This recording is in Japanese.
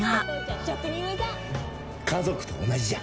家族と同じじゃ。